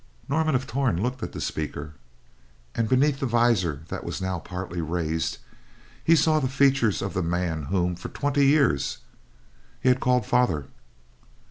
Norman of Torn looked at the speaker and, beneath the visor that was now partly raised, he saw the features of the man whom, for twenty years, he had called father.